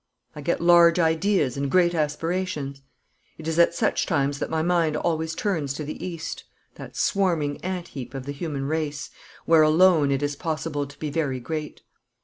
I get large ideas and great aspirations. It is at such times that my mind always turns to the East, that swarming ant heap of the human race, where alone it is possible to be very great.